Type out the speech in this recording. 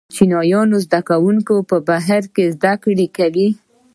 چینايي زده کوونکي په بهر کې زده کړې کوي.